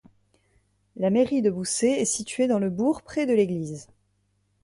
La mairie de Boussay est située dans le bourg près de l'église.